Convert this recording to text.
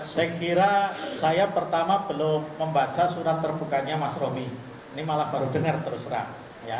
saya kira saya pertama belum membaca surat terbukanya mas romi ini malah baru dengar terus terang